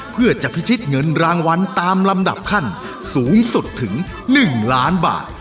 เพื่อจะพิชิตเงินรางวัลตามลำดับขั้นสูงสุดถึง๑ล้านบาท